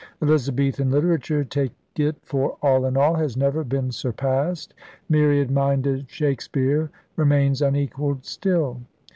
Elizabethan literature, take it for all in all, has never been surpassed; myriad minded Shakespeare remains unequalled still.